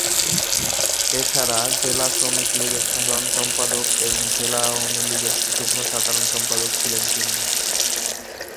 এছাড়া জেলা শ্রমিক লীগের সাধারণ সম্পাদক এবং জেলা আওয়ামী লীগের যুগ্ম সাধারণ সম্পাদক ছিলেন তিনি।